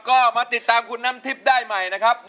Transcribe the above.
ก็มาติดตามคุณน้ำทิพย์ได้ใหม่นะครับ